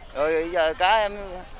rồi bây giờ cá em